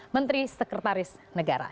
menteri sekretaris negara